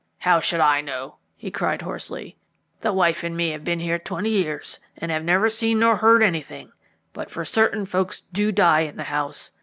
"How should I know?" he cried hoarsely. "The wife and me have been here twenty years, and never seen nor heard anything, but for certain folks do die in the house.